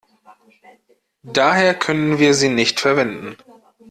Daher können wir sie nicht verwenden.